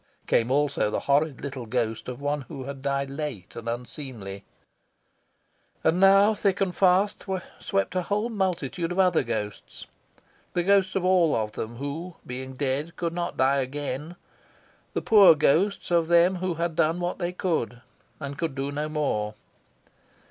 Came also the horrid little ghost of one who had died late and unseemly. And now, thick and fast, swept a whole multitude of other ghosts, the ghosts of all them who, being dead, could not die again; the poor ghosts of them who had done what they could, and could do no more.